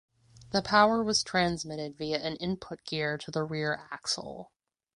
The power was transmitted via an input gear to the rear axle.